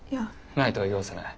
ないとは言わせない。